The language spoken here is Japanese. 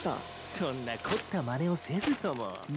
そんな凝ったまねをせずとも。